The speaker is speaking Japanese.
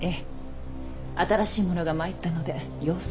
新しい者が参ったので様子を伺いに。